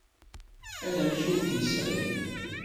Anamek ur t-yesɛi.